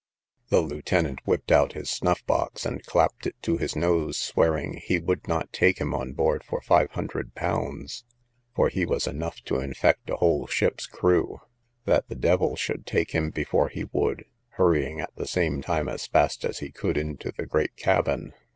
The lieutenant whipped out his snuff box, and clapped it to his nose, swearing, he would not take him on board for five hundred pounds, for he was enough to infect a whole ship's crew; that the devil should take him before he would—hurrying at the same time as fast as he could into the great cabin.